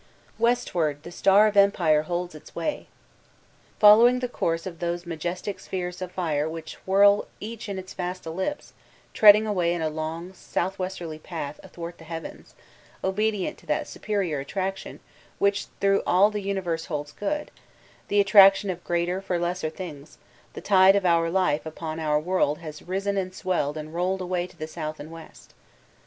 'Westward the Star of Empire holds its way.*" Fol lowing the course of those majestic sfJieres of fire which whirl each in its vast ellipse, trending away in a long, southwesterly path athwart the heavens, obedient to that superior attraction which through all the universe holds good, the attraction of greater for lesser things, the tide of life upon our world has risen and swelled and rolled away to the south and west.